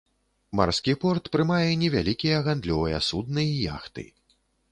Марскі порт прымае невялікія гандлёвыя судны і яхты.